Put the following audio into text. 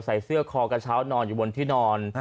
ใส่เสื้อคอกระเช้านอนอยู่บนที่นอน